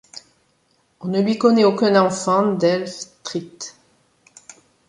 On ne lui connaît aucun enfant d'Ælfthryth.